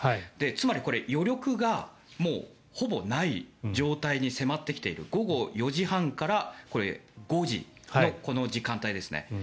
つまり、余力がもうほぼない状態に迫ってきている午後４時半から５時の時間帯ですね。